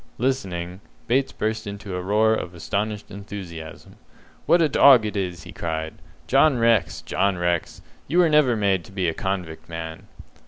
Listening, Bates burst into a roar of astonished enthusiasm. "What a dog it is!" he cried. "John Rex, John Rex, you were never made to be a convict, man!"